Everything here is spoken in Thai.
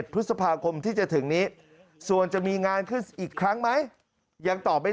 พฤษภาคมที่จะถึงนี้ส่วนจะมีงานขึ้นอีกครั้งไหมยังตอบไม่